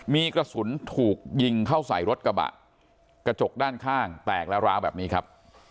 มีกระสุนถูกยิงเข้าใส่รถกระบะกระจกด้านข้างแตกแล้วร้าวแบบนี้ครับ